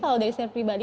kalau dari saya pribadi